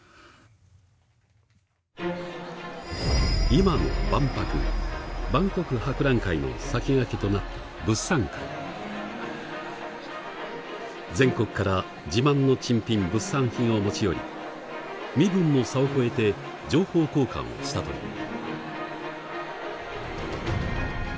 今の万博万国博覧会の先駆けとなった全国から自慢の珍品物産品を持ち寄り身分の差を超えて情報交換をしたという。